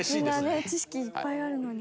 みんなね知識いっぱいあるのに。